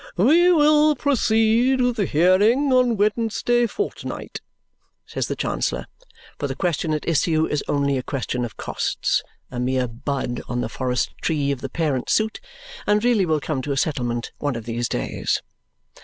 "We will proceed with the hearing on Wednesday fortnight," says the Chancellor. For the question at issue is only a question of costs, a mere bud on the forest tree of the parent suit, and really will come to a settlement one of these days.